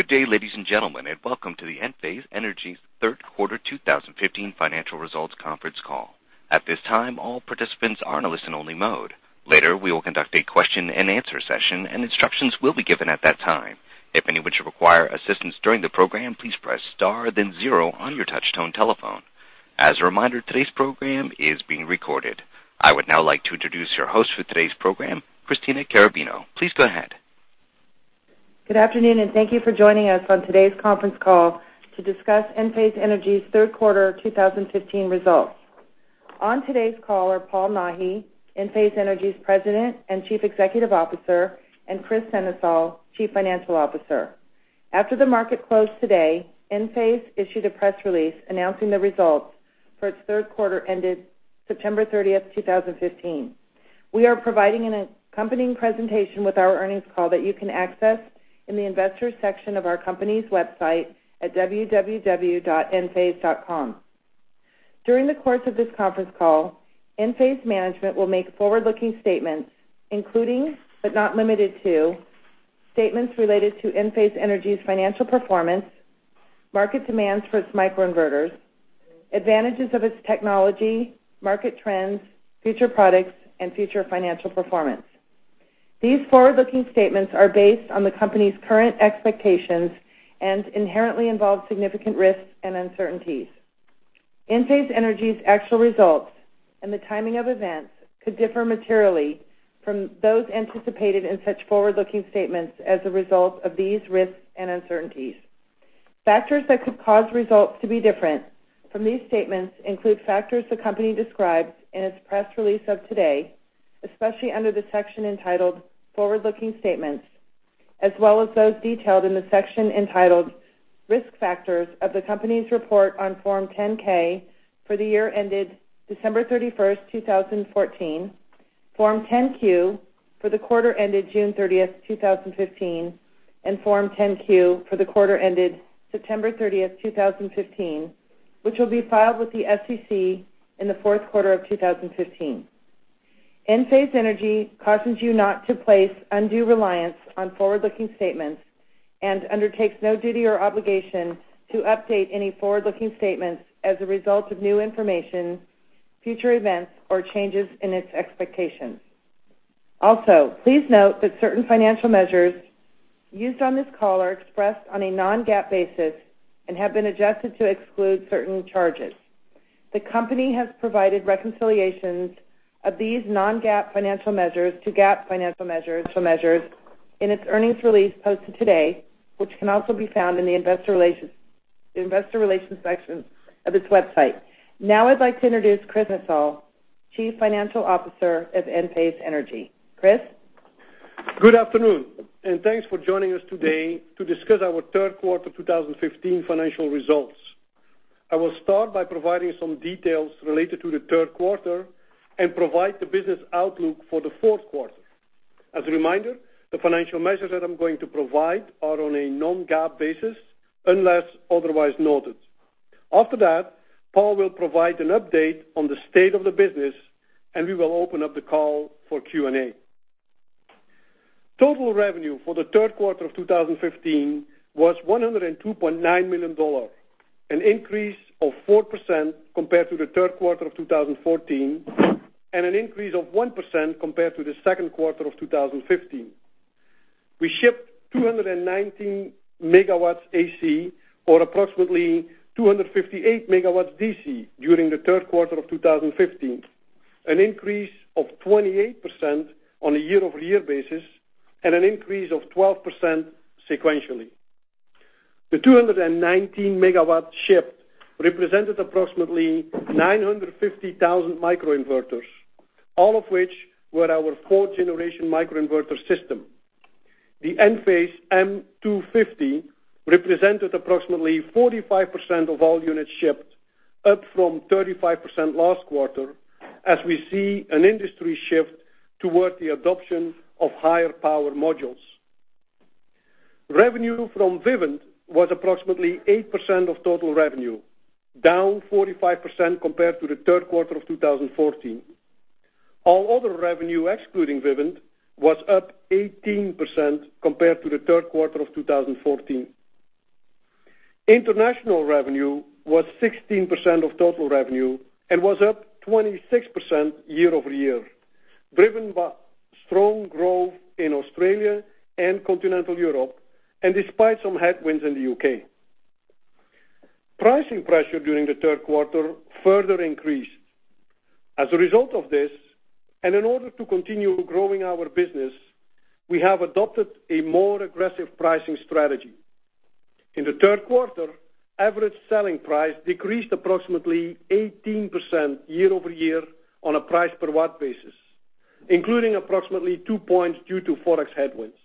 Good day, ladies and gentlemen. Welcome to the Enphase Energy third quarter 2015 financial results conference call. At this time, all participants are in a listen-only mode. Later, we will conduct a question-and-answer session. Instructions will be given at that time. If any of you require assistance during the program, please press star then zero on your touchtone telephone. As a reminder, today's program is being recorded. I would now like to introduce your host for today's program, Christina Carrabino. Please go ahead. Good afternoon. Thank you for joining us on today's conference call to discuss Enphase Energy's third quarter 2015 results. On today's call are Paul Nahi, Enphase Energy's President and Chief Executive Officer, and Kris Sennesael, Chief Financial Officer. After the market closed today, Enphase issued a press release announcing the results for its third quarter ended September 30th, 2015. We are providing an accompanying presentation with our earnings call that you can access in the investors section of our company's website at www.enphase.com. During the course of this conference call, Enphase management will make forward-looking statements, including, but not limited to, statements related to Enphase Energy's financial performance, market demands for its microinverters, advantages of its technology, market trends, future products, and future financial performance. These forward-looking statements are based on the company's current expectations and inherently involve significant risks and uncertainties. Enphase Energy's actual results and the timing of events could differ materially from those anticipated in such forward-looking statements as a result of these risks and uncertainties. Factors that could cause results to be different from these statements include factors the company described in its press release of today, especially under the section entitled Forward-Looking Statements, as well as those detailed in the section entitled Risk Factors of the company's report on Form 10-K for the year ended December 31st, 2014, Form 10-Q for the quarter ended June 30th, 2015, and Form 10-Q for the quarter ended September 30th, 2015, which will be filed with the SEC in the fourth quarter of 2015. Enphase Energy cautions you not to place undue reliance on forward-looking statements and undertakes no duty or obligation to update any forward-looking statements as a result of new information, future events, or changes in its expectations. Please note that certain financial measures used on this call are expressed on a non-GAAP basis and have been adjusted to exclude certain charges. The company has provided reconciliations of these non-GAAP financial measures to GAAP financial measures in its earnings release posted today, which can also be found in the investor relations section of its website. I'd like to introduce Kris Sennesael, Chief Financial Officer at Enphase Energy. Kris? Good afternoon, and thanks for joining us today to discuss our third quarter 2015 financial results. I will start by providing some details related to the third quarter and provide the business outlook for the fourth quarter. As a reminder, the financial measures that I'm going to provide are on a non-GAAP basis, unless otherwise noted. After that, Paul will provide an update on the state of the business, and we will open up the call for Q&A. Total revenue for the third quarter of 2015 was $102.9 million, an increase of 4% compared to the third quarter of 2014 and an increase of 1% compared to the second quarter of 2015. We shipped 219 megawatts AC, or approximately 258 megawatts DC during the third quarter of 2015, an increase of 28% on a year-over-year basis and an increase of 12% sequentially. The 219 megawatts shipped represented approximately 950,000 microinverters, all of which were our fourth-generation microinverter system. The Enphase M250 represented approximately 45% of all units shipped, up from 35% last quarter, as we see an industry shift toward the adoption of higher power modules. Revenue from Vivint was approximately 8% of total revenue, down 45% compared to the third quarter of 2014. All other revenue excluding Vivint was up 18% compared to the third quarter of 2014. International revenue was 16% of total revenue and was up 26% year-over-year, driven by strong growth in Australia and continental Europe despite some headwinds in the U.K. Pricing pressure during the third quarter further increased. As a result of this, in order to continue growing our business, we have adopted a more aggressive pricing strategy. In the third quarter, average selling price decreased approximately 18% year-over-year on a price per watt basis, including approximately 2 points due to forex headwinds.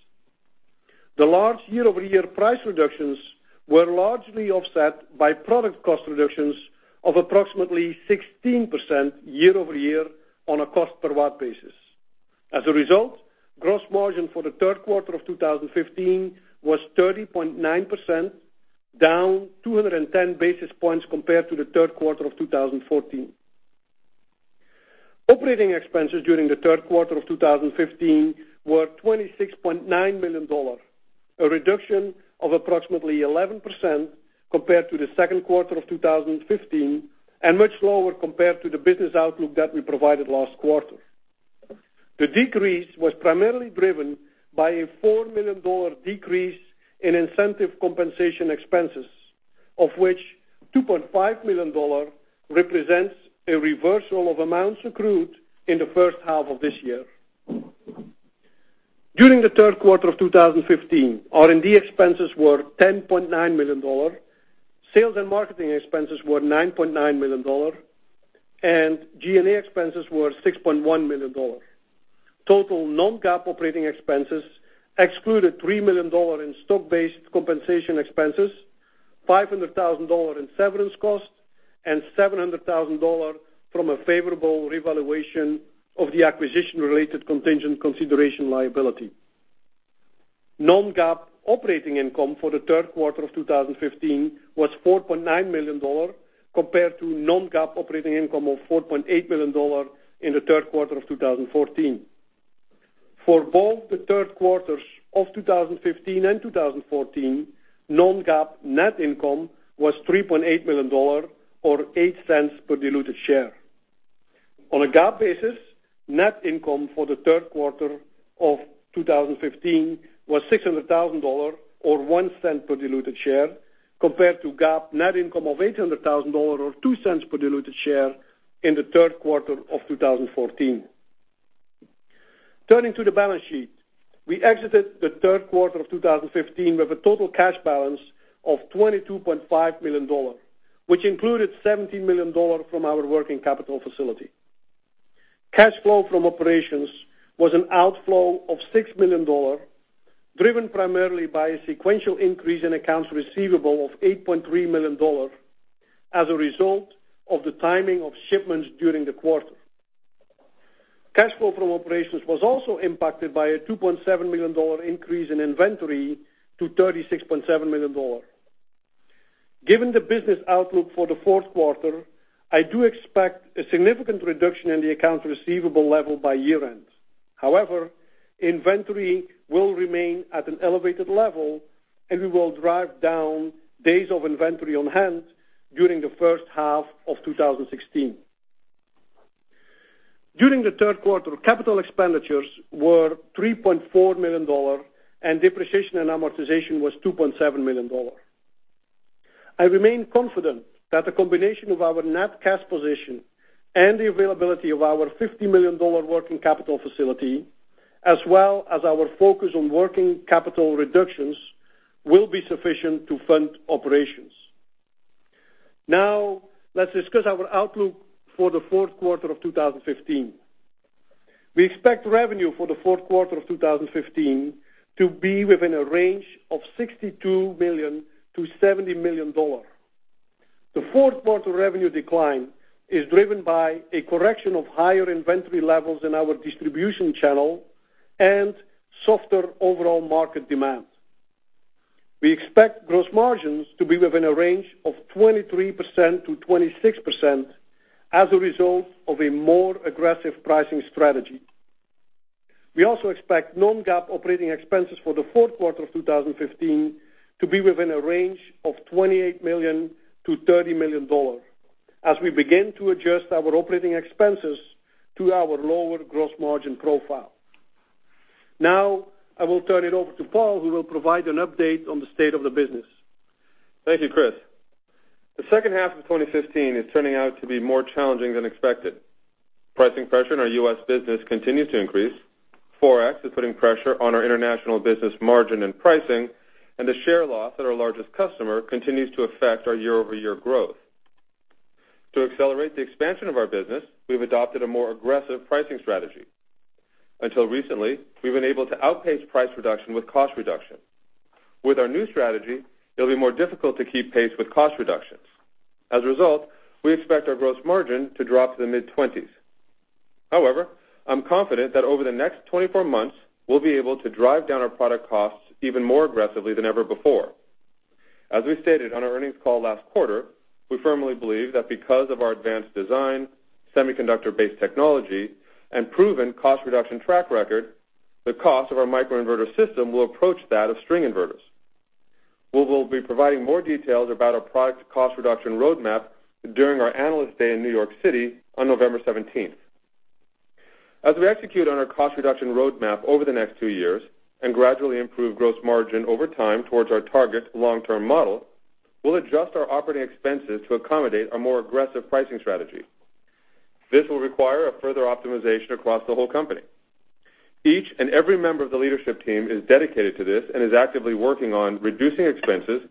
The large year-over-year price reductions were largely offset by product cost reductions of approximately 16% year-over-year on a cost per watt basis. As a result, gross margin for the third quarter of 2015 was 30.9%, down 210 basis points compared to the third quarter of 2014. Operating expenses during the third quarter of 2015 were $26.9 million, a reduction of approximately 11% compared to the second quarter of 2015, and much lower compared to the business outlook that we provided last quarter. The decrease was primarily driven by a $4 million decrease in incentive compensation expenses, of which $2.5 million represents a reversal of amounts accrued in the first half of this year. During the third quarter of 2015, R&D expenses were $10.9 million, sales and marketing expenses were $9.9 million, and G&A expenses were $6.1 million. Total non-GAAP operating expenses excluded $3 million in stock-based compensation expenses, $500,000 in severance costs, and $700,000 from a favorable revaluation of the acquisition-related contingent consideration liability. Non-GAAP operating income for the third quarter of 2015 was $4.9 million, compared to non-GAAP operating income of $4.8 million in the third quarter of 2014. For both the third quarters of 2015 and 2014, non-GAAP net income was $3.8 million, or $0.08 per diluted share. On a GAAP basis, net income for the third quarter of 2015 was $600,000 or $0.01 per diluted share, compared to GAAP net income of $800,000 or $0.02 per diluted share in the third quarter of 2014. Turning to the balance sheet, we exited the third quarter of 2015 with a total cash balance of $22.5 million, which included $17 million from our working capital facility. Cash flow from operations was an outflow of $6 million, driven primarily by a sequential increase in accounts receivable of $8.3 million as a result of the timing of shipments during the quarter. Cash flow from operations was also impacted by a $2.7 million increase in inventory to $36.7 million. Given the business outlook for the fourth quarter, I do expect a significant reduction in the account receivable level by year-end. However, inventory will remain at an elevated level, and we will drive down days of inventory on hand during the first half of 2016. During the third quarter, capital expenditures were $3.4 million, and depreciation and amortization was $2.7 million. I remain confident that the combination of our net cash position and the availability of our $50 million working capital facility, as well as our focus on working capital reductions, will be sufficient to fund operations. Let's discuss our outlook for the fourth quarter of 2015. We expect revenue for the fourth quarter of 2015 to be within a range of $62 million-$70 million. The fourth quarter revenue decline is driven by a correction of higher inventory levels in our distribution channel and softer overall market demand. We expect gross margins to be within a range of 23%-26% as a result of a more aggressive pricing strategy. We also expect non-GAAP operating expenses for the fourth quarter of 2015 to be within a range of $28 million-$30 million, as we begin to adjust our operating expenses to our lower gross margin profile. I will turn it over to Paul, who will provide an update on the state of the business. Thank you, Kris. The second half of 2015 is turning out to be more challenging than expected. Pricing pressure in our U.S. business continues to increase. Forex is putting pressure on our international business margin and pricing. The share loss at our largest customer continues to affect our year-over-year growth. To accelerate the expansion of our business, we've adopted a more aggressive pricing strategy. Until recently, we've been able to outpace price reduction with cost reduction. With our new strategy, it'll be more difficult to keep pace with cost reductions. As a result, we expect our gross margin to drop to the mid-20s. However, I'm confident that over the next 24 months, we'll be able to drive down our product costs even more aggressively than ever before. As we stated on our earnings call last quarter, we firmly believe that because of our advanced design, semiconductor-based technology, and proven cost reduction track record, the cost of our microinverter system will approach that of string inverters. We will be providing more details about our product cost reduction roadmap during our Analyst Day in New York City on November 17th. As we execute on our cost reduction roadmap over the next two years and gradually improve gross margin over time towards our target long-term model, we'll adjust our operating expenses to accommodate a more aggressive pricing strategy. This will require a further optimization across the whole company. Each and every member of the leadership team is dedicated to this and is actively working on reducing expenses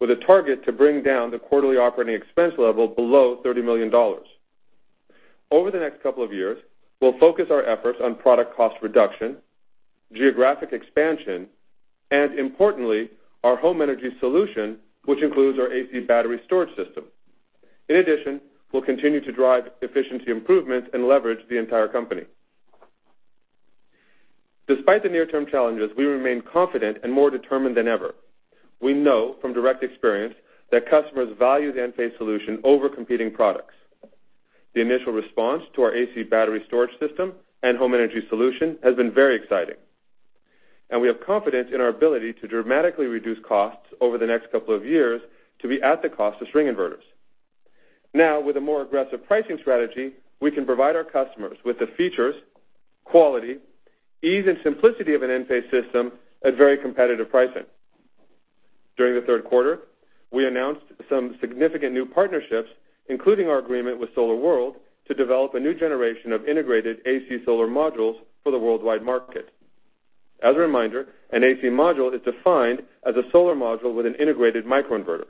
with a target to bring down the quarterly operating expense level below $30 million. Over the next couple of years, we'll focus our efforts on product cost reduction, geographic expansion, and importantly, our home energy solution, which includes our AC battery storage system. We'll continue to drive efficiency improvements and leverage the entire company. Despite the near-term challenges, we remain confident and more determined than ever. We know from direct experience that customers value the Enphase solution over competing products. The initial response to our AC battery storage system and home energy solution has been very exciting. We have confidence in our ability to dramatically reduce costs over the next couple of years to be at the cost of string inverters. With a more aggressive pricing strategy, we can provide our customers with the features, quality, ease, and simplicity of an Enphase system at very competitive pricing. During the third quarter, we announced some significant new partnerships, including our agreement with SolarWorld to develop a new generation of integrated AC Modules for the worldwide market. As a reminder, an AC Module is defined as a solar module with an integrated microinverter.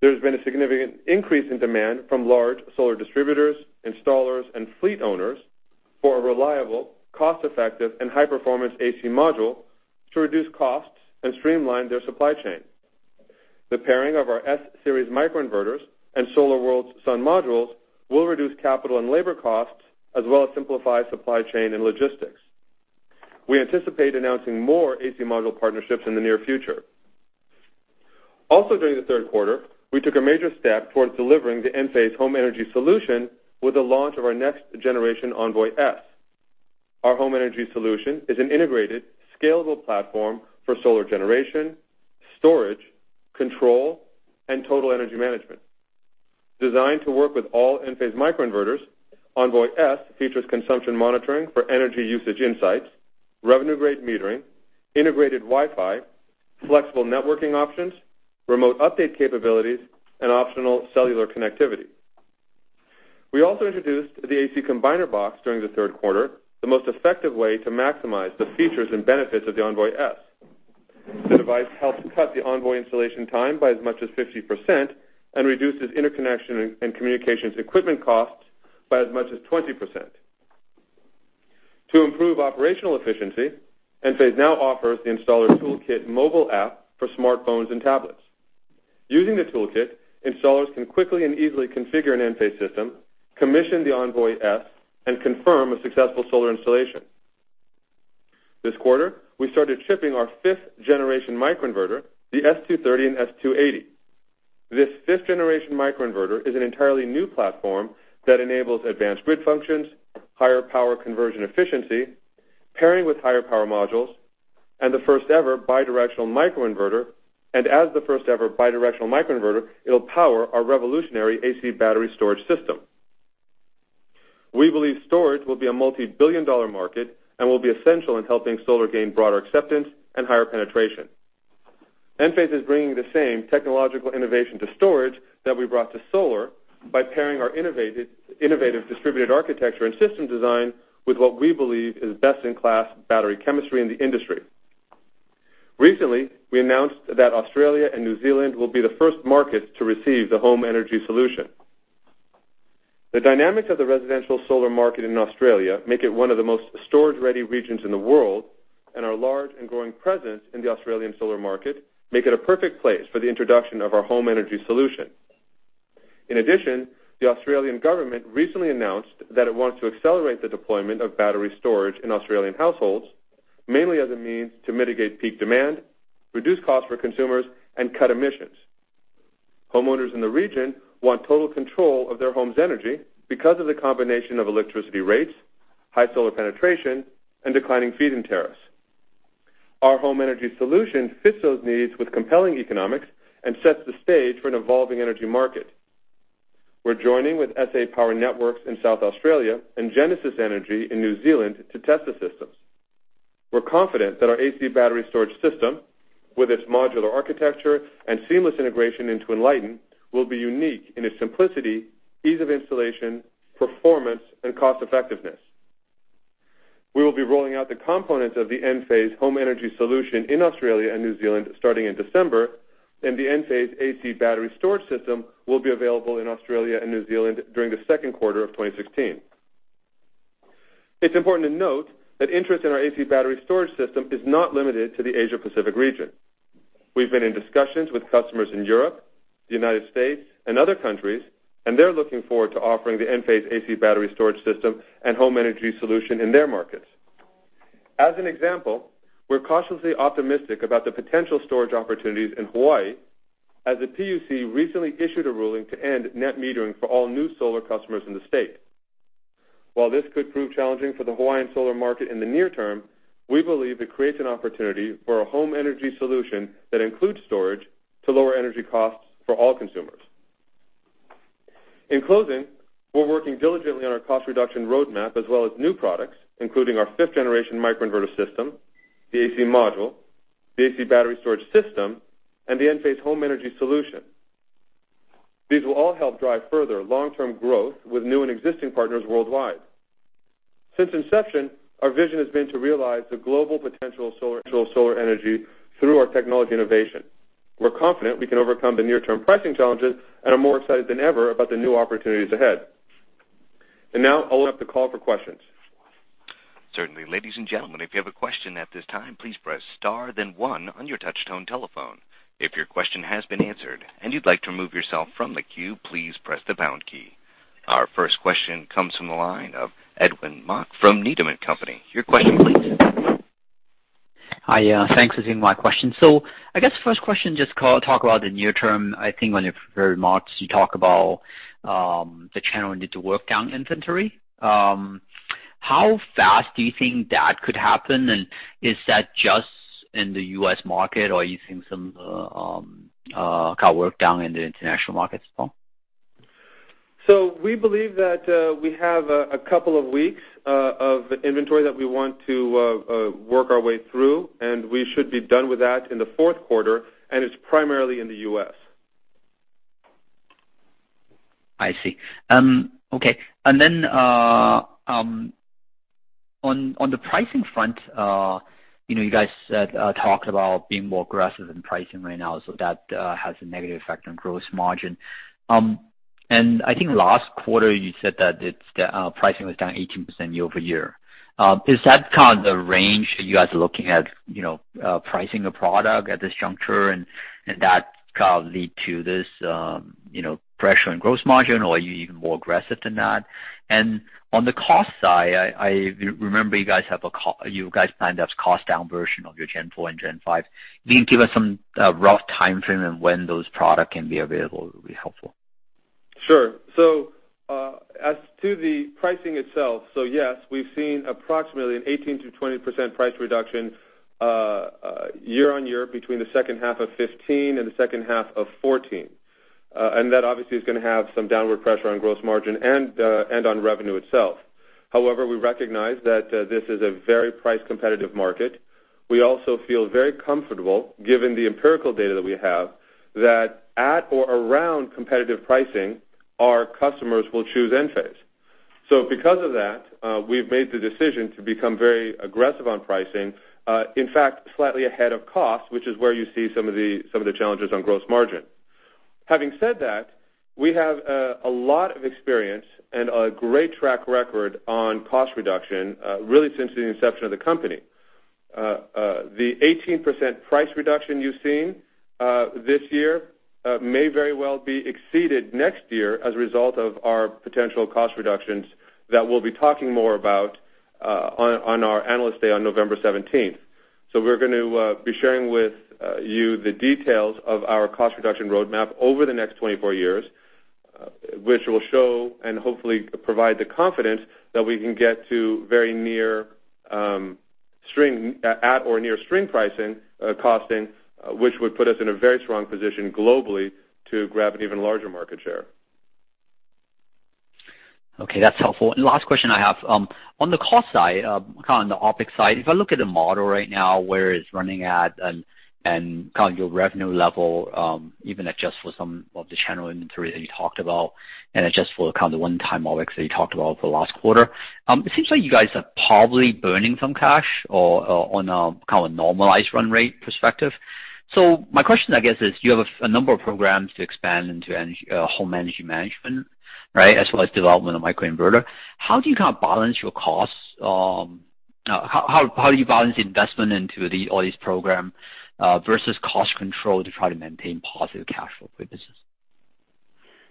There's been a significant increase in demand from large solar distributors, installers, and fleet owners for a reliable, cost-effective, and high-performance AC Module to reduce costs and streamline their supply chain. The pairing of our S-Series microinverters and SolarWorld's Sunmodules will reduce capital and labor costs, as well as simplify supply chain and logistics. We anticipate announcing more AC Module partnerships in the near future. During the third quarter, we took a major step towards delivering the Enphase home energy solution with the launch of our next-generation Envoy-S. Our home energy solution is an integrated, scalable platform for solar generation, storage, control, and total energy management. Designed to work with all Enphase microinverters, Envoy-S features consumption monitoring for energy usage insights, revenue-grade metering, integrated Wi-Fi, flexible networking options, remote update capabilities, and optional cellular connectivity. We introduced the AC Combiner Box during the third quarter, the most effective way to maximize the features and benefits of the Envoy-S. The device helps cut the Envoy installation time by as much as 50% and reduces interconnection and communications equipment costs by as much as 20%. To improve operational efficiency, Enphase now offers the Installer Toolkit mobile app for smartphones and tablets. Using the Toolkit, installers can quickly and easily configure an Enphase system, commission the Envoy-S, and confirm a successful solar installation. This quarter, we started shipping our fifth-generation microinverter, the S230 and S280. This fifth-generation microinverter is an entirely new platform that enables advanced grid functions, higher power conversion efficiency, pairing with higher power modules, and the first-ever bidirectional microinverter. As the first-ever bidirectional microinverter, it'll power our revolutionary AC battery storage system. We believe storage will be a multibillion-dollar market and will be essential in helping solar gain broader acceptance and higher penetration. Enphase is bringing the same technological innovation to storage that we brought to solar by pairing our innovative distributed architecture and system design with what we believe is best-in-class battery chemistry in the industry. Recently, we announced that Australia and New Zealand will be the first markets to receive the home energy solution. The dynamics of the residential solar market in Australia make it one of the most storage-ready regions in the world, our large and growing presence in the Australian solar market make it a perfect place for the introduction of our home energy solution. In addition, the Australian government recently announced that it wants to accelerate the deployment of battery storage in Australian households, mainly as a means to mitigate peak demand, reduce costs for consumers, and cut emissions. Homeowners in the region want total control of their home's energy because of the combination of electricity rates, high solar penetration, and declining feed-in tariffs. Our home energy solution fits those needs with compelling economics and sets the stage for an evolving energy market. We're joining with SA Power Networks in South Australia and Genesis Energy in New Zealand to test the systems. We're confident that our AC battery storage system, with its modular architecture and seamless integration into Enlighten, will be unique in its simplicity, ease of installation, performance, and cost-effectiveness. We will be rolling out the components of the Enphase home energy solution in Australia and New Zealand starting in December, and the Enphase AC battery storage system will be available in Australia and New Zealand during the second quarter of 2016. It's important to note that interest in our AC battery storage system is not limited to the Asia-Pacific region. We've been in discussions with customers in Europe, the U.S., and other countries, they're looking forward to offering the Enphase AC battery storage system and home energy solution in their markets. As an example, we're cautiously optimistic about the potential storage opportunities in Hawaii, as the PUC recently issued a ruling to end net metering for all new solar customers in the state. While this could prove challenging for the Hawaiian solar market in the near term, we believe it creates an opportunity for a home energy solution that includes storage to lower energy costs for all consumers. In closing, we're working diligently on our cost reduction roadmap as well as new products, including our fifth-generation microinverter system, the AC Module, the AC battery storage system, and the Enphase home energy solution. These will all help drive further long-term growth with new and existing partners worldwide. Since inception, our vision has been to realize the global potential of solar energy through our technology innovation. We're confident we can overcome the near-term pricing challenges and are more excited than ever about the new opportunities ahead. Now I'll open up the call for questions. Certainly. Ladies and gentlemen, if you have a question at this time, please press star then one on your touch tone telephone. If your question has been answered and you'd like to remove yourself from the queue, please press the pound key. Our first question comes from the line of Edwin Mok from Needham & Company. Your question please. Hi. Thanks for taking my question. I guess first question, just talk about the near term. I think on your remarks, you talk about the channel need to work down inventory. How fast do you think that could happen, and is that just in the U.S. market or you think some got worked down in the international markets as well? We believe that we have a couple of weeks of inventory that we want to work our way through, and we should be done with that in the fourth quarter, and it's primarily in the U.S. I see. Okay. On the pricing front, you guys talked about being more aggressive in pricing right now, That has a negative effect on gross margin. I think last quarter you said that the pricing was down 18% year-over-year. Is that kind of the range that you guys are looking at pricing a product at this juncture and that lead to this pressure on gross margin, or are you even more aggressive than that? On the cost side, I remember you guys planned that cost down version of your Gen 4 and Gen 5. Can you give us some rough timeframe on when those product can be available, will be helpful. Sure. As to the pricing itself, yes, we've seen approximately an 18%-20% price reduction year-on-year between the second half of 2015 and the second half of 2014. That obviously is going to have some downward pressure on gross margin and on revenue itself. However, we recognize that this is a very price competitive market. We also feel very comfortable, given the empirical data that we have, that at or around competitive pricing, our customers will choose Enphase. Because of that, we've made the decision to become very aggressive on pricing, in fact, slightly ahead of cost, which is where you see some of the challenges on gross margin. Having said that, we have a lot of experience and a great track record on cost reduction, really since the inception of the company. The 18% price reduction you've seen this year may very well be exceeded next year as a result of our potential cost reductions that we'll be talking more about on our Analyst Day on November 17th. We're going to be sharing with you the details of our cost reduction roadmap over the next 24 months, which will show and hopefully provide the confidence that we can get to very near string at or near string pricing, costing, which would put us in a very strong position globally to grab an even larger market share. Okay, that's helpful. Last question I have, on the cost side, on the OpEx side, if I look at the model right now, where it's running at and your revenue level, even adjust for some of the channel inventory that you talked about, and adjust for the one-time OpEx that you talked about for last quarter, it seems like you guys are probably burning some cash or on a kind of normalized run rate perspective. My question, I guess, is you have a number of programs to expand into home energy management, right, as well as development of microinverter. How do you kind of balance your costs? How do you balance investment into all these program, versus cost control to try to maintain positive cash flow for your business?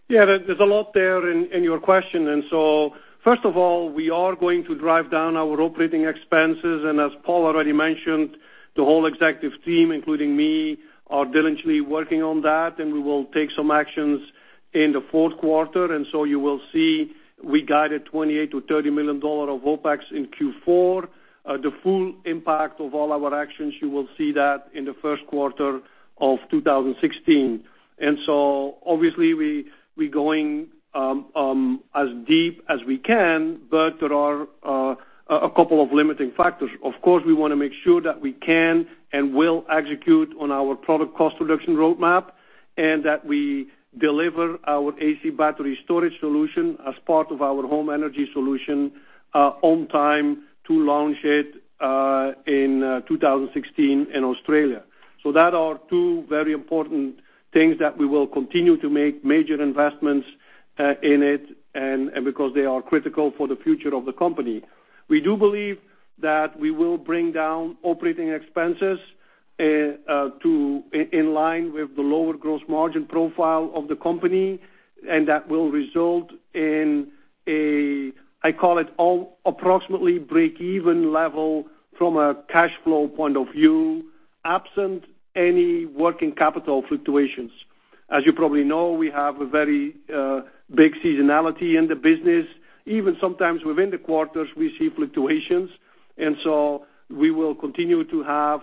Yeah, there's a lot there in your question. First of all, we are going to drive down our operating expenses. As Paul already mentioned, the whole executive team, including me, are diligently working on that, and we will take some actions in the fourth quarter. You will see we guided $28 million to $30 million of OpEx in Q4. The full impact of all our actions, you will see that in the first quarter of 2016. Obviously we're going as deep as we can, but there are a couple of limiting factors. Of course, we want to make sure that we can and will execute on our product cost reduction roadmap, and that we deliver our AC battery storage solution as part of our Enphase Energy System on time to launch it in 2016 in Australia. That are two very important things that we will continue to make major investments in it and because they are critical for the future of the company. We do believe that we will bring down operating expenses in line with the lower gross margin profile of the company, and that will result in a, I call it approximately break-even level from a cash flow point of view, absent any working capital fluctuations. As you probably know, we have a very big seasonality in the business. Even sometimes within the quarters, we see fluctuations. We will continue to have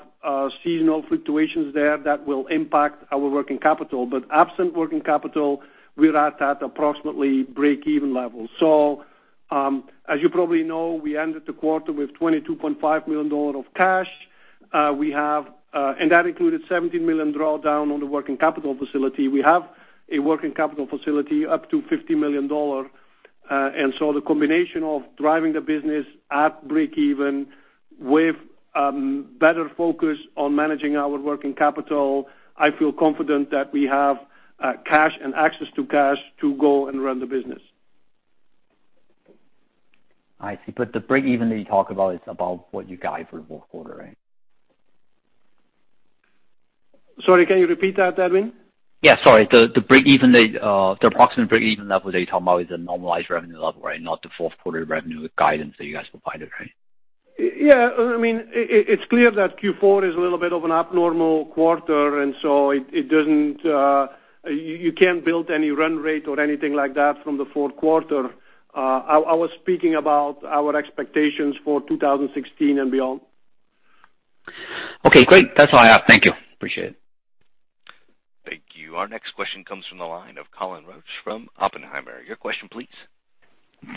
seasonal fluctuations there that will impact our working capital. Absent working capital, we are at approximately break-even level. As you probably know, we ended the quarter with $22.5 million of cash. That included $17 million drawdown on the working capital facility. We have a working capital facility up to $50 million. The combination of driving the business at break even with better focus on managing our working capital, I feel confident that we have cash and access to cash to go and run the business. I see. The break even that you talk about is about what you guide for fourth quarter, right? Sorry, can you repeat that, Edwin? Yeah, sorry. The approximate breakeven level that you're talking about is the normalized revenue level, right? Not the fourth quarter revenue guidance that you guys provided, right? Yeah. It's clear that Q4 is a little bit of an abnormal quarter. You can't build any run rate or anything like that from the fourth quarter. I was speaking about our expectations for 2016 and beyond. Okay, great. That's all I have. Thank you. Appreciate it. Thank you. Our next question comes from the line of Colin Rusch from Oppenheimer. Your question, please.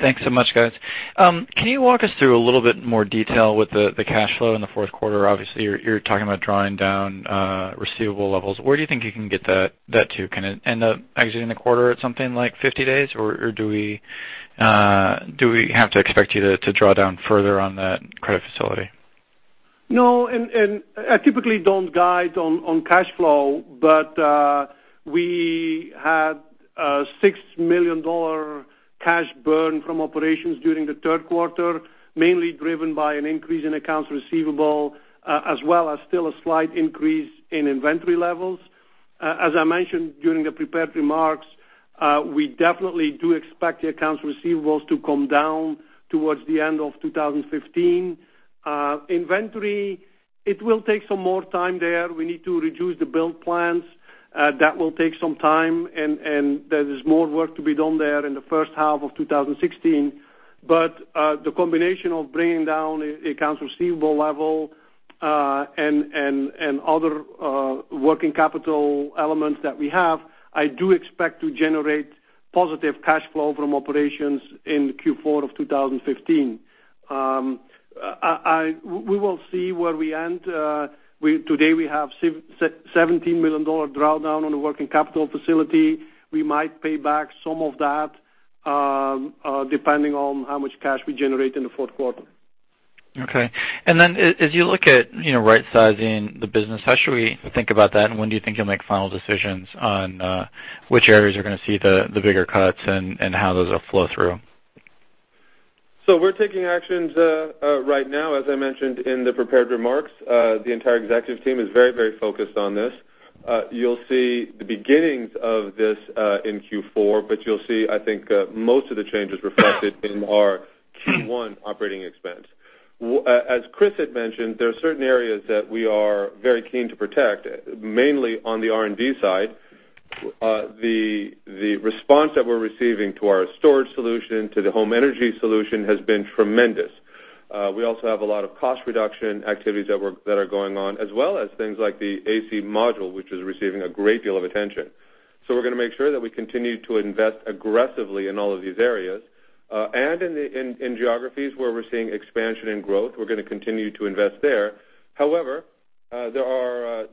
Thanks so much, guys. Can you walk us through a little bit more detail with the cash flow in the fourth quarter? You're talking about drawing down receivable levels. Where do you think you can get that to? Can it end up exiting the quarter at something like 50 days, or do we have to expect you to draw down further on that credit facility? No, and I typically don't guide on cash flow, but we had a $6 million cash burn from operations during the third quarter, mainly driven by an increase in accounts receivable as well as still a slight increase in inventory levels. As I mentioned during the prepared remarks, we definitely do expect the accounts receivables to come down towards the end of 2015. Inventory, it will take some more time there. We need to reduce the build plans. That will take some time, and there is more work to be done there in the first half of 2016. The combination of bringing down accounts receivable level, and other working capital elements that we have, I do expect to generate positive cash flow from operations in Q4 of 2015. We will see where we end. Today, we have $17 million drawdown on the working capital facility. We might pay back some of that, depending on how much cash we generate in the fourth quarter. As you look at right-sizing the business, how should we think about that? When do you think you'll make final decisions on which areas are going to see the bigger cuts and how those will flow through? We're taking actions right now, as I mentioned in the prepared remarks. The entire executive team is very focused on this. You'll see the beginnings of this in Q4, but you'll see, I think, most of the changes reflected in our Q1 operating expense. As Kris had mentioned, there are certain areas that we are very keen to protect, mainly on the R&D side. The response that we're receiving to our storage solution, to the Enphase Energy System has been tremendous. We also have a lot of cost reduction activities that are going on, as well as things like the AC Module, which is receiving a great deal of attention. We're going to make sure that we continue to invest aggressively in all of these areas. In geographies where we're seeing expansion and growth, we're going to continue to invest there. However,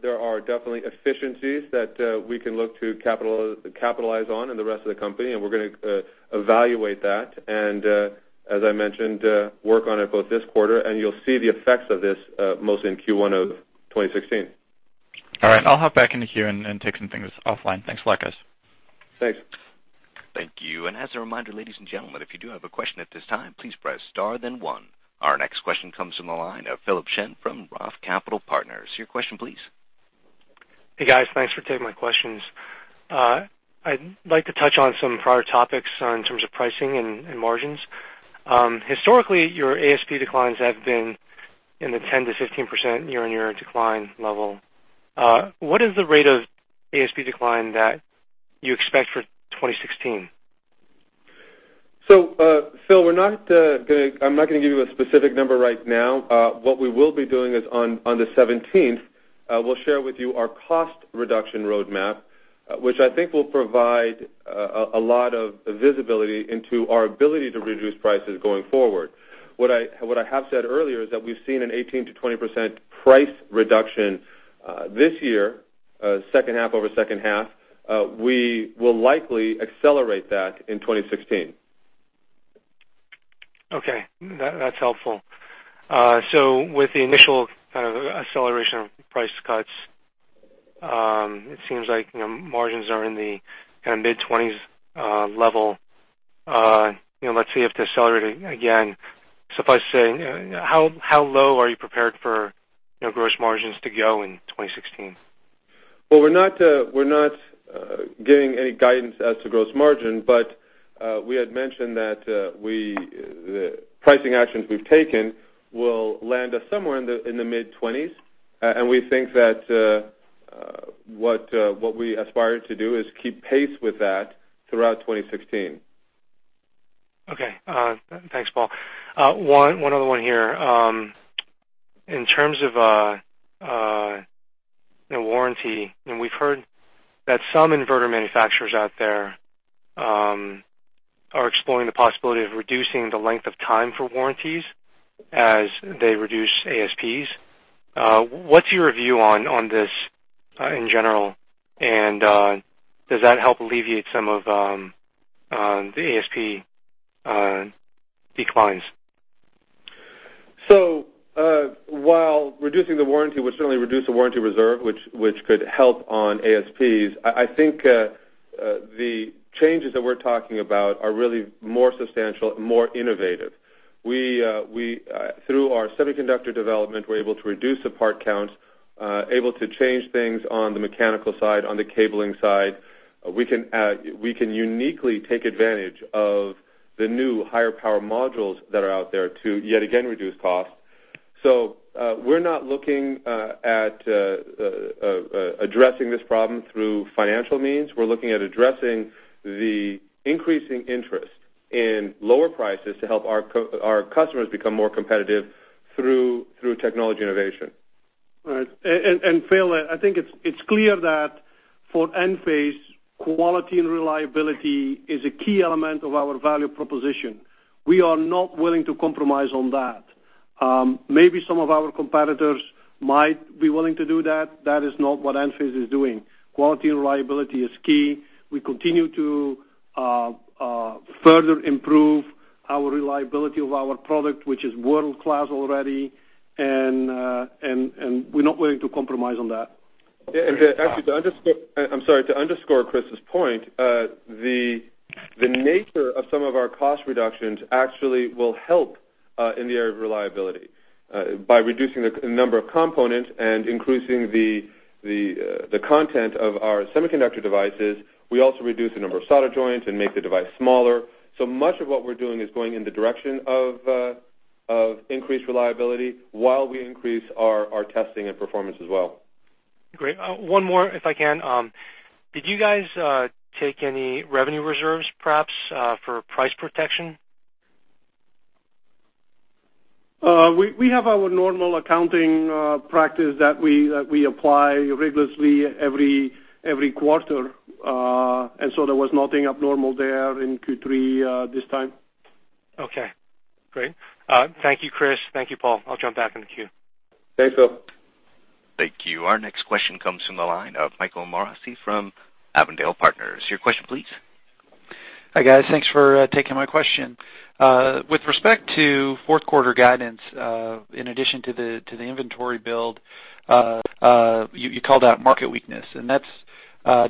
there are definitely efficiencies that we can look to capitalize on in the rest of the company, and we're going to evaluate that and, as I mentioned, work on it both this quarter, and you'll see the effects of this mostly in Q1 of 2016. All right. I'll hop back into queue and take some things offline. Thanks a lot, guys. Thanks. Thank you. As a reminder, ladies and gentlemen, if you do have a question at this time, please press star, then 1. Our next question comes from the line of Philip Shen from Roth Capital Partners. Your question, please. Hey, guys. Thanks for taking my questions. I'd like to touch on some prior topics in terms of pricing and margins. Historically, your ASP declines have been in the 10%-15% year-on-year decline level. What is the rate of ASP decline that you expect for 2016? Phil, I'm not going to give you a specific number right now. What we will be doing is on the 17th, we'll share with you our cost reduction roadmap, which I think will provide a lot of visibility into our ability to reduce prices going forward. What I have said earlier is that we've seen an 18%-20% price reduction this year, second half over second half. We will likely accelerate that in 2016. Okay. That's helpful. With the initial kind of acceleration of price cuts, it seems like margins are in the mid-20s level. Let's say if they accelerate again, suffice saying, how low are you prepared for gross margins to go in 2016? Well, we're not giving any guidance as to gross margin, but we had mentioned that the pricing actions we've taken will land us somewhere in the mid-20s, and we think that what we aspire to do is keep pace with that throughout 2016. Okay. Thanks, Paul. One other one here. In terms of warranty, we've heard that some inverter manufacturers out there are exploring the possibility of reducing the length of time for warranties as they reduce ASPs. What's your view on this in general, and does that help alleviate some of the ASP declines? While reducing the warranty would certainly reduce the warranty reserve, which could help on ASPs, the changes that we're talking about are really more substantial and more innovative. Through our semiconductor development, we're able to reduce the part count, able to change things on the mechanical side, on the cabling side. We can uniquely take advantage of the new higher power modules that are out there to yet again reduce costs. We're not looking at addressing this problem through financial means. We're looking at addressing the increasing interest in lower prices to help our customers become more competitive through technology innovation. Right. Phil, I think it's clear that for Enphase, quality and reliability is a key element of our value proposition. We are not willing to compromise on that. Maybe some of our competitors might be willing to do that. That is not what Enphase is doing. Quality and reliability is key. We continue to further improve our reliability of our product, which is world-class already, we're not willing to compromise on that. Actually to underscore, I'm sorry, to underscore Kris's point, the nature of some of our cost reductions actually will help in the area of reliability. By reducing the number of components and increasing the content of our semiconductor devices, we also reduce the number of solder joints and make the device smaller. Much of what we're doing is going in the direction of increased reliability while we increase our testing and performance as well. Great. One more, if I can. Did you guys take any revenue reserves, perhaps, for price protection? We have our normal accounting practice that we apply rigorously every quarter. There was nothing abnormal there in Q3 this time. Okay, great. Thank you, Kris. Thank you, Paul. I'll jump back in the queue. Thanks, Phil. Thank you. Our next question comes from the line of Michael Morosi from Avondale Partners. Your question please. Hi, guys. Thanks for taking my question. With respect to fourth quarter guidance, in addition to the inventory build, you called out market weakness, that's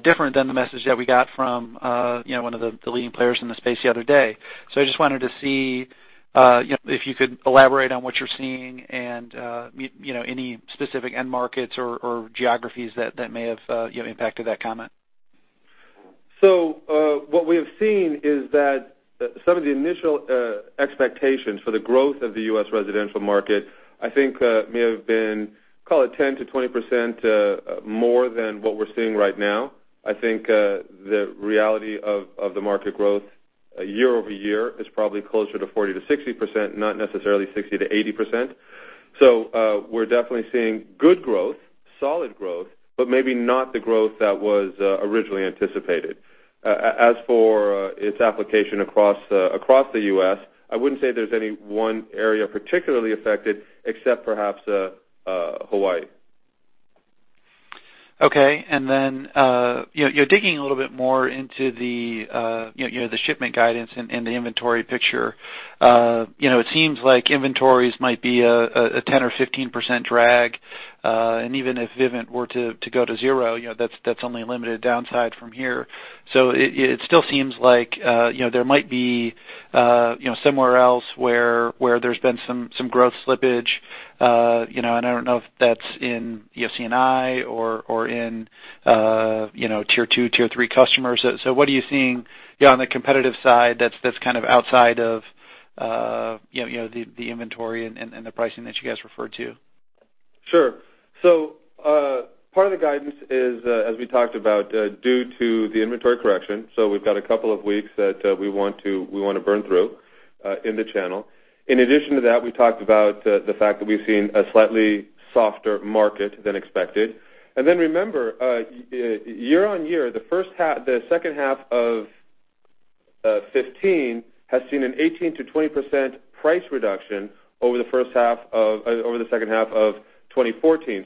different than the message that we got from one of the leading players in the space the other day. I just wanted to see if you could elaborate on what you're seeing and any specific end markets or geographies that may have impacted that comment. What we have seen is that some of the initial expectations for the growth of the U.S. residential market, I think may have been, call it 10%-20% more than what we're seeing right now. I think the reality of the market growth year-over-year is probably closer to 40%-60%, not necessarily 60%-80%. We're definitely seeing good growth, solid growth, maybe not the growth that was originally anticipated. As for its application across the U.S., I wouldn't say there's any one area particularly affected except perhaps Hawaii. Okay. Digging a little bit more into the shipment guidance and the inventory picture, it seems like inventories might be a 10%-15% drag. Even if Vivint Solar were to go to zero, that's only a limited downside from here. It still seems like there might be somewhere else where there's been some growth slippage. I don't know if that's in C&I or in tier 2, tier 3 customers. What are you seeing on the competitive side that's kind of outside of the inventory and the pricing that you guys referred to? Sure. Part of the guidance is, as we talked about, due to the inventory correction. We've got a couple of weeks that we want to burn through in the channel. In addition to that, we talked about the fact that we've seen a slightly softer market than expected. Remember, year-on-year, the second half of 2015 has seen an 18%-20% price reduction over the second half of 2014.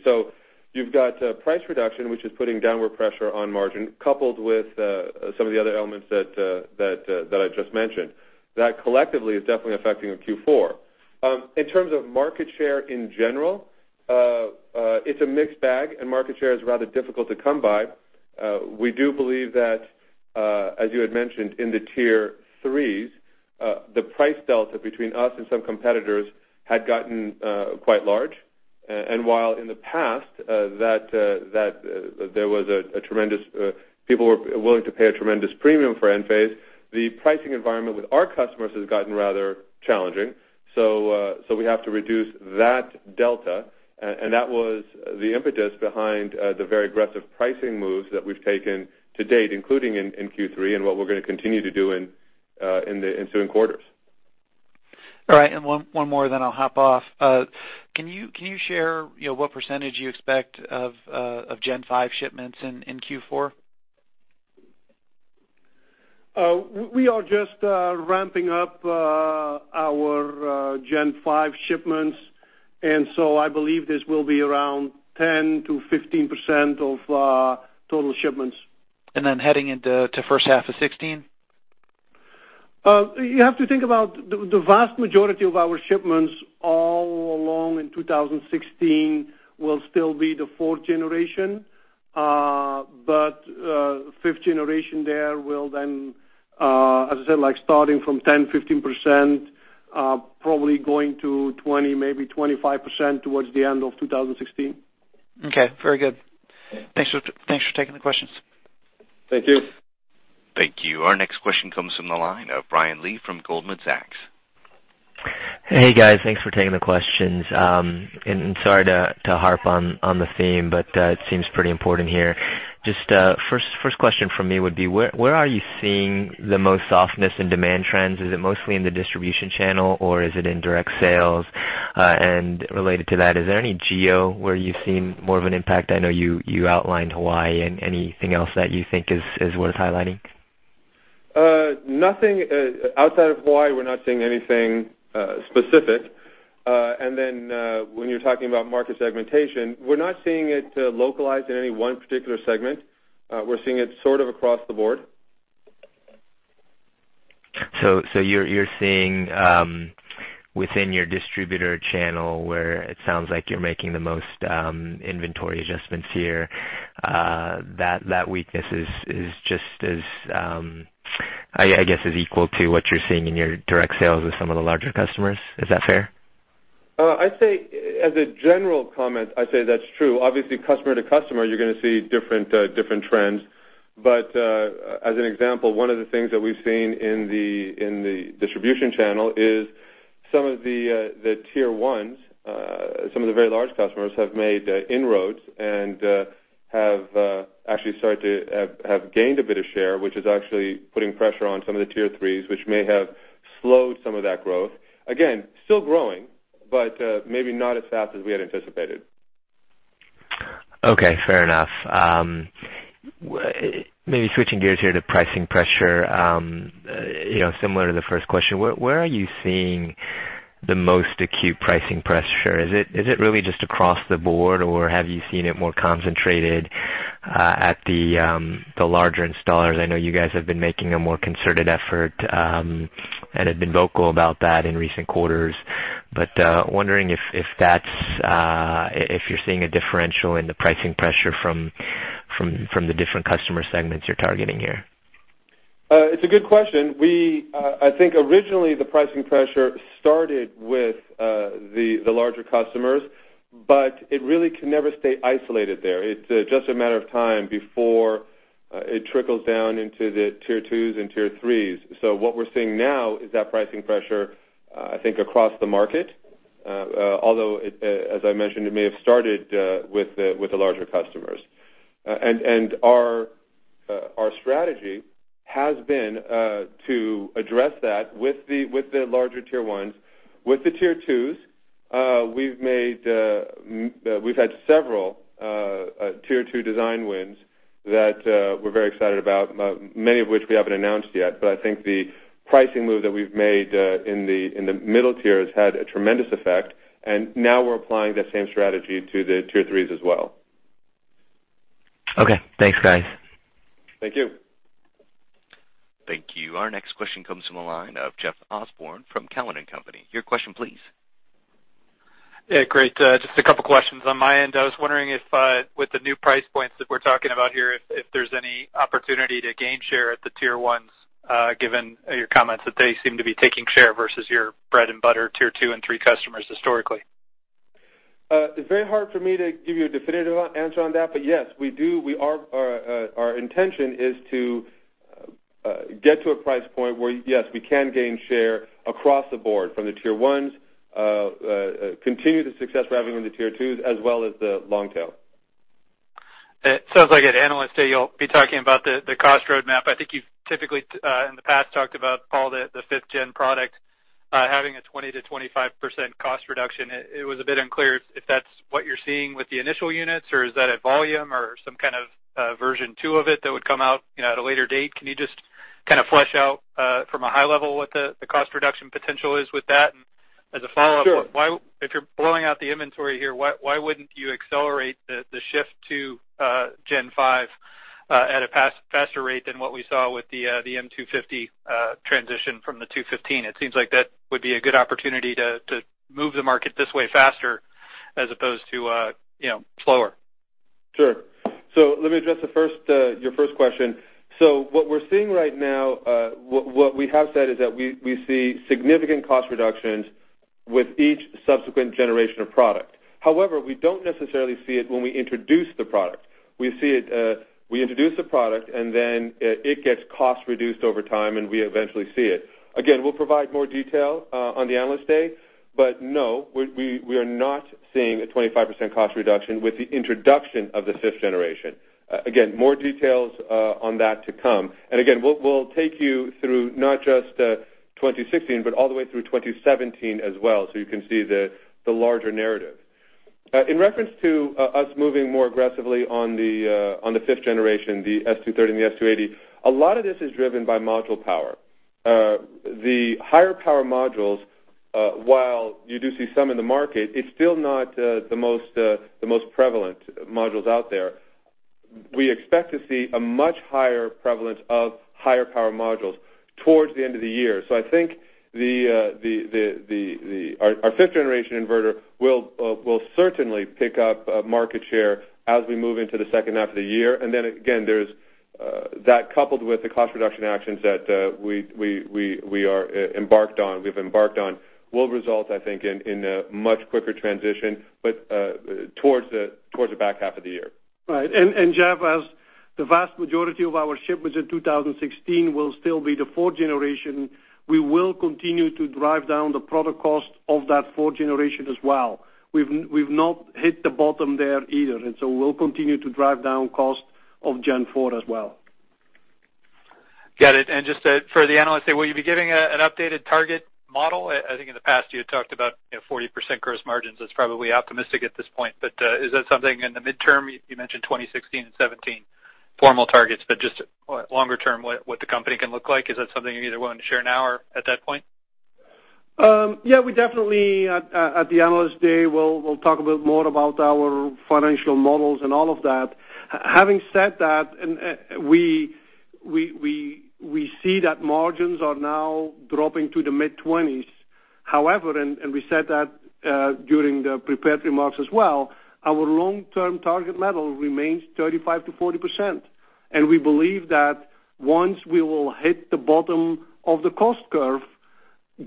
You've got price reduction, which is putting downward pressure on margin, coupled with some of the other elements that I just mentioned. That collectively is definitely affecting our Q4. In terms of market share in general, it's a mixed bag, and market share is rather difficult to come by. We do believe that, as you had mentioned, in the tier 3s, the price delta between us and some competitors had gotten quite large. While in the past, there was a tremendous premium for Enphase Energy, the pricing environment with our customers has gotten rather challenging. We have to reduce that delta, and that was the impetus behind the very aggressive pricing moves that we've taken to date, including in Q3 and what we're going to continue to do in the ensuing quarters. All right, one more, then I'll hop off. Can you share what percentage you expect of Gen 5 shipments in Q4? We are just ramping up our Gen 5 shipments, I believe this will be around 10%-15% of total shipments. Heading into first half of 2016? You have to think about the vast majority of our shipments all along in 2016 will still be the fourth-generation. Fifth-generation there will then, as I said, starting from 10%, 15%, probably going to 20%, maybe 25% towards the end of 2016. Okay, very good. Thanks for taking the questions. Thank you. Thank you. Our next question comes from the line of Brian Lee from Goldman Sachs. Hey, guys. Thanks for taking the questions. Sorry to harp on the theme, but it seems pretty important here. Just first question from me would be, where are you seeing the most softness in demand trends? Is it mostly in the distribution channel, or is it in direct sales? Related to that, is there any geo where you've seen more of an impact? I know you outlined Hawaii and anything else that you think is worth highlighting? Nothing outside of Hawaii, we're not seeing anything specific. When you're talking about market segmentation, we're not seeing it localized in any one particular segment. We're seeing it sort of across the board. You're seeing within your distributor channel where it sounds like you're making the most inventory adjustments here, that weakness is just as, I guess, is equal to what you're seeing in your direct sales with some of the larger customers. Is that fair? I'd say as a general comment, I'd say that's true. Obviously, customer to customer, you're going to see different trends. As an example, one of the things that we've seen in the distribution channel is some of the tier 1s, some of the very large customers have made inroads and have actually started to have gained a bit of share, which is actually putting pressure on some of the tier 3s, which may have slowed some of that growth. Again, still growing, but maybe not as fast as we had anticipated. Okay, fair enough. Maybe switching gears here to pricing pressure, similar to the first question, where are you seeing the most acute pricing pressure? Is it really just across the board, or have you seen it more concentrated at the larger installers? I know you guys have been making a more concerted effort and have been vocal about that in recent quarters. Wondering if you're seeing a differential in the pricing pressure from the different customer segments you're targeting here. It's a good question. I think originally the pricing pressure started with the larger customers, but it really can never stay isolated there. It's just a matter of time before it trickles down into the tier 2s and tier 3s. What we're seeing now is that pricing pressure I think across the market, although, as I mentioned, it may have started with the larger customers. Our strategy has been to address that with the larger tier 1s. With the tier 2s, we've had several tier 2 design wins that we're very excited about, many of which we haven't announced yet. I think the pricing move that we've made in the middle tier has had a tremendous effect, and now we're applying that same strategy to the tier 3s as well. Okay, thanks, guys. Thank you. Thank you. Our next question comes from the line of Jeff Osborne from Cowen and Company. Your question please. Yeah, great. Just a couple questions on my end. I was wondering if with the new price points that we're talking about here, if there's any opportunity to gain share at the tier 1s, given your comments that they seem to be taking share versus your bread and butter tier 2 and 3 customers historically. It's very hard for me to give you a definitive answer on that. Yes, our intention is to get to a price point where, yes, we can gain share across the board from the tier 1s, continue the success we're having in the tier 2s, as well as the long tail. It sounds like at Analyst Day, you'll be talking about the cost roadmap. I think you've typically in the past talked about all the fifth-generation product having a 20%-25% cost reduction. It was a bit unclear if that's what you're seeing with the initial units, or is that at volume or some kind of version 2 of it that would come out at a later date. Can you just kind of flesh out from a high level what the cost reduction potential is with that? Sure. If you're blowing out the inventory here, why wouldn't you accelerate the shift to gen 5 at a faster rate than what we saw with the M250 transition from the 215? It seems like that would be a good opportunity to move the market this way faster as opposed to slower. Sure. Let me address your first question. What we're seeing right now, what we have said is that we see significant cost reductions with each subsequent generation of product. However, we don't necessarily see it when we introduce the product. We introduce the product, and then it gets cost reduced over time, and we eventually see it. Again, we'll provide more detail on the Analyst Day. No, we are not seeing a 25% cost reduction with the introduction of the fifth-generation. Again, more details on that to come. Again, we'll take you through not just 2016, but all the way through 2017 as well, so you can see the larger narrative. In reference to us moving more aggressively on the fifth-generation, the S230 and the S280, a lot of this is driven by module power. The higher power modules, while you do see some in the market, it's still not the most prevalent modules out there. We expect to see a much higher prevalence of higher-power modules towards the end of the year. I think our fifth-generation inverter will certainly pick up market share as we move into the second half of the year. Again, that coupled with the cost reduction actions that we have embarked on will result, I think, in a much quicker transition towards the back half of the year. Right. Jeff, as the vast majority of our shipments in 2016 will still be the fourth-generation, we will continue to drive down the product cost of that fourth-generation as well. We've not hit the bottom there either. We'll continue to drive down cost of gen four as well. Got it. Just for the Analyst Day, will you be giving an updated target model? I think in the past, you had talked about 40% gross margins. That's probably optimistic at this point. Is that something in the midterm, you mentioned 2016 and 2017 formal targets, just longer term, what the company can look like, is that something you're either willing to share now or at that point? We definitely at the Analyst Day, we'll talk a bit more about our financial models and all of that. Having said that, we see that margins are now dropping to the mid-20s. However, we said that during the prepared remarks as well, our long-term target level remains 35%-40%. We believe that once we will hit the bottom of the cost curve,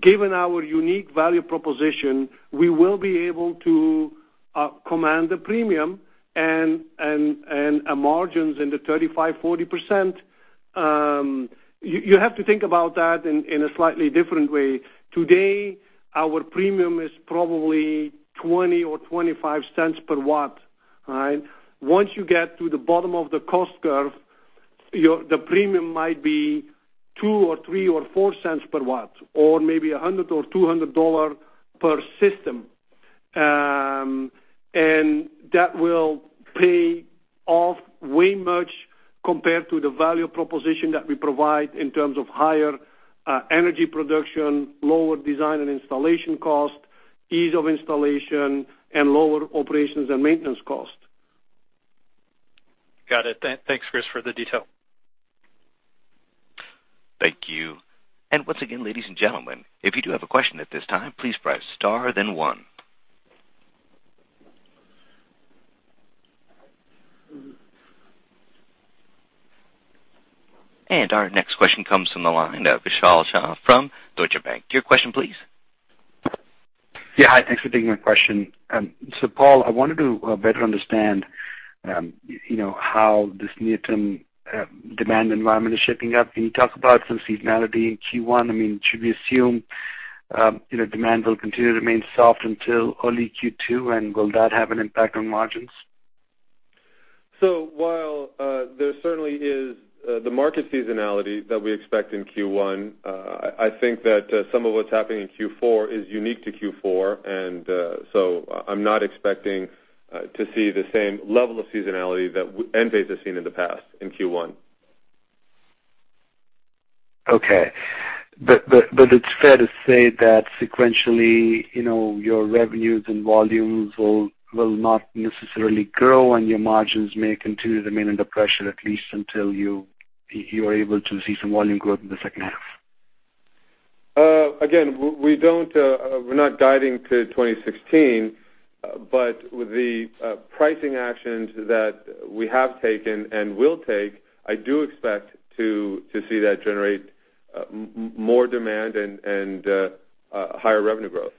given our unique value proposition, we will be able to command a premium and margins in the 35%-40%. You have to think about that in a slightly different way. Today, our premium is probably $0.20 or $0.25 per watt. Once you get to the bottom of the cost curve, the premium might be $0.02 or $0.03 or $0.04 per watt, or maybe $100 or $200 per system. That will pay off way much compared to the value proposition that we provide in terms of higher energy production, lower design and installation cost, ease of installation, and lower operations and maintenance cost. Got it. Thanks, Kris, for the detail. Thank you. Once again, ladies and gentlemen, if you do have a question at this time, please press star then one. Our next question comes from the line of Vishal Shah from Deutsche Bank. Your question, please. Yeah, hi. Thanks for taking my question. Paul, I wanted to better understand how this near-term demand environment is shaping up. Can you talk about some seasonality in Q1? Should we assume demand will continue to remain soft until early Q2, and will that have an impact on margins? While there certainly is the market seasonality that we expect in Q1, I think that some of what's happening in Q4 is unique to Q4, I'm not expecting to see the same level of seasonality that Enphase has seen in the past in Q1. Okay. It's fair to say that sequentially, your revenues and volumes will not necessarily grow, and your margins may continue to remain under pressure, at least until you are able to see some volume growth in the second half. Again, we're not guiding to 2016, but with the pricing actions that we have taken and will take, I do expect to see that generate more demand and higher revenue growth.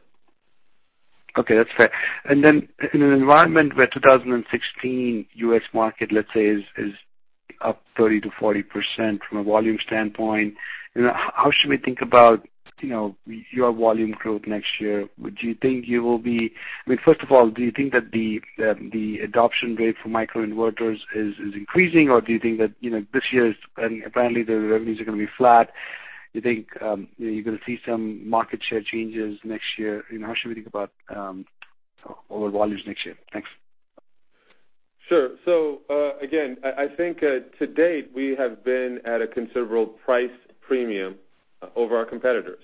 Okay, that's fair. In an environment where 2016 U.S. market, let's say, is up 30%-40% from a volume standpoint, how should we think about your volume growth next year? First of all, do you think that the adoption rate for microinverters is increasing, or do you think that this year, apparently the revenues are going to be flat? Do you think you're going to see some market share changes next year? How should we think about overall volumes next year? Thanks. Sure. Again, I think to date, we have been at a considerable price premium over our competitors.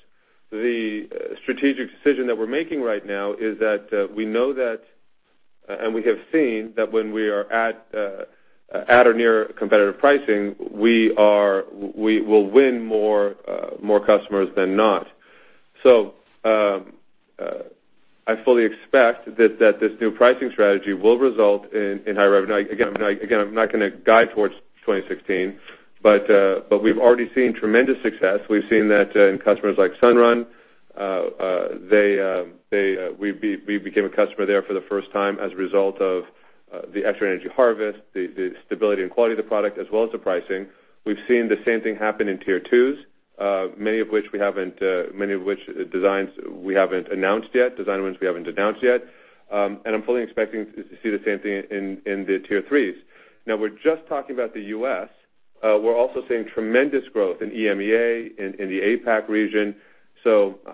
The strategic decision that we're making right now is that we know that, and we have seen that when we are at or near competitive pricing, we will win more customers than not. I fully expect that this new pricing strategy will result in higher revenue. Again, I'm not going to guide towards 2016, but we've already seen tremendous success. We've seen that in customers like Sunrun. We became a customer there for the first time as a result of the extra energy harvest, the stability and quality of the product, as well as the pricing. We've seen the same thing happen in tier 2s, many of which designs we haven't announced yet, design wins we haven't announced yet. I'm fully expecting to see the same thing in the tier 3s. Now we're just talking about the U.S. We're also seeing tremendous growth in EMEA, in the APAC region.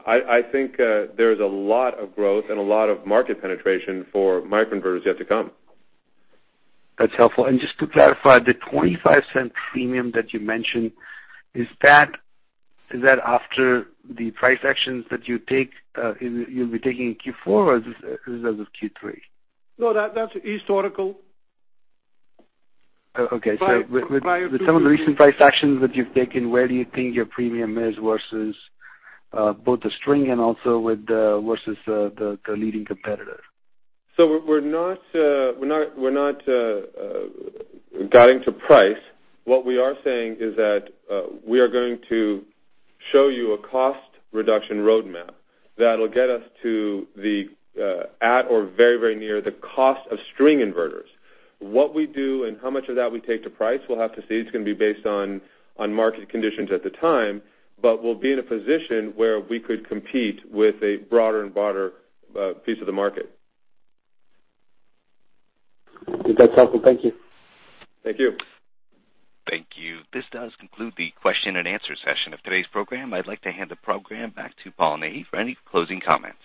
I think there's a lot of growth and a lot of market penetration for microinverters yet to come. That's helpful. Just to clarify, the $0.25 premium that you mentioned, is that after the price actions that you'll be taking in Q4 or is this as of Q3? No, that's historical. Okay. Prior to- With some of the recent price actions that you've taken, where do you think your premium is versus both the string and also versus the leading competitor? We're not guiding to price. What we are saying is that we are going to show you a cost reduction roadmap that'll get us to the at or very, very near the cost of string inverters. What we do and how much of that we take to price, we'll have to see. It's going to be based on market conditions at the time, but we'll be in a position where we could compete with a broader and broader piece of the market. That's helpful. Thank you. Thank you. Thank you. This does conclude the question and answer session of today's program. I'd like to hand the program back to Paul Nahi for any closing comments.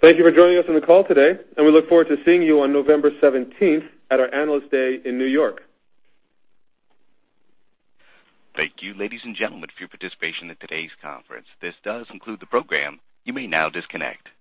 Thank you for joining us on the call today. We look forward to seeing you on November 17th at our Analyst Day in New York. Thank you, ladies and gentlemen, for your participation in today's conference. This does conclude the program. You may now disconnect.